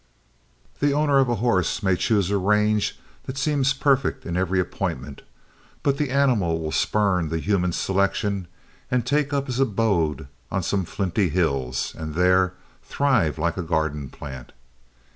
The owner of a horse may choose a range that seems perfect in every appointment, but the animal will spurn the human selection and take up his abode on some flinty hills, and there thrive like a garden plant.